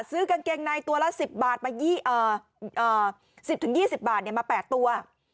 ซื้อกางเกงในตัวละ๑๐บาทมา๑๐๒๐บาทมา๘ตัว